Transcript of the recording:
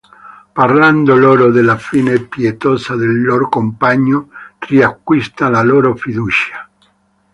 Parlando loro della fine pietosa del loro compagno, riacquista la loro fiducia.